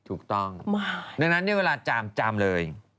ถูกต้องดังนั้นเวลาจามจามเลย